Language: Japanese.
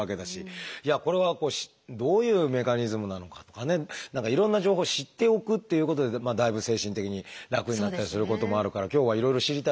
これはどういうメカニズムなのかとかねいろんな情報を知っておくということでだいぶ精神的に楽になったりすることもあるから今日はいろいろ知りたいですね。